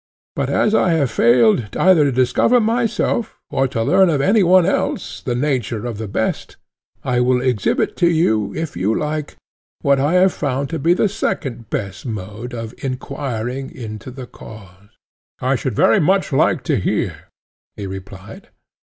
But as I have failed either to discover myself, or to learn of any one else, the nature of the best, I will exhibit to you, if you like, what I have found to be the second best mode of enquiring into the cause. I should very much like to hear, he replied.